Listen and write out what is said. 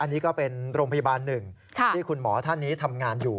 อันนี้ก็เป็นโรงพยาบาลหนึ่งที่คุณหมอท่านนี้ทำงานอยู่